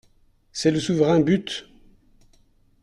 C'est le souverain but!